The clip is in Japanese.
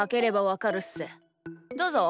どうぞ。